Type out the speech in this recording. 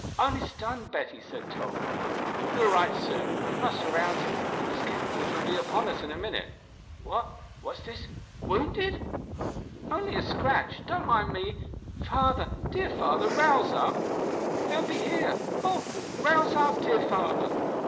"Only stunned, Betty," said Tom; "will be all right soon, but we must rouse him, for the scoundrels will be upon us in a minute. What what's this wounded?" "Only a scratch. Don't mind me. Father! dear father rouse up! They will be here oh! rouse up, dear father!"